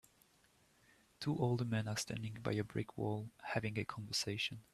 Two older men are standing by a brick wall having a conversation.